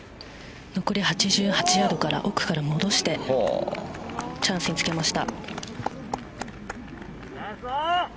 残り８８ヤードから奥から戻してチャンスにつけました。